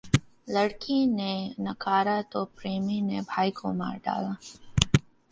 लड़की ने नकारा तो प्रेमी ने भाई को मार डाला